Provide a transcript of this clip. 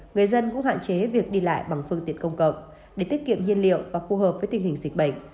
người dân cũng hạn chế việc đi lại bằng phương tiện công cộng để tiết kiệm nhiên liệu và phù hợp với tình hình dịch bệnh